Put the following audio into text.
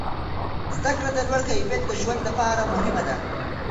زده کړه د لوړ کیفیت د ژوند لپاره مهمه ده.